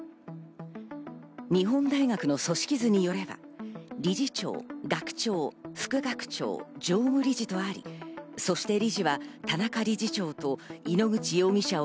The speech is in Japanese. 日本大学の組織図によれば、理事長、学長、副学長、常務理事とあり、そして理事は田中理事長と井ノ口容疑者を